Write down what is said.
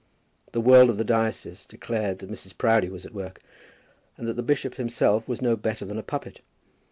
The world of the diocese declared that Mrs. Proudie was at work, and that the bishop himself was no better than a puppet.